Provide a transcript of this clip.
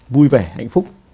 vui vẻ hạnh phúc